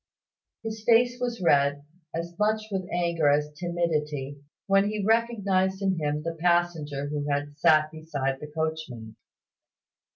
His face was red, as much with anger as timidity, when he recognised in him the passenger who had sat beside the coachman.